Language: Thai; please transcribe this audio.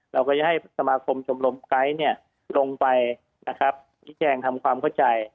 เราก็จะให้สมาคมชมรมไกด์ลงไปชี้แจงทำความเข้าใจ